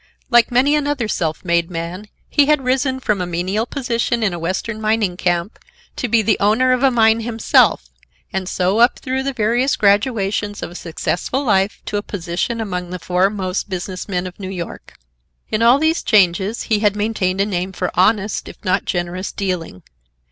Like many another self made man, he had risen from a menial position in a Western mining camp, to be the owner of a mine himself, and so up through the various gradations of a successful life to a position among the foremost business men of New York. In all these changes he had maintained a name for honest, if not generous, dealing.